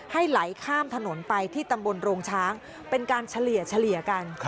ไหลข้ามถนนไปที่ตำบลโรงช้างเป็นการเฉลี่ยกัน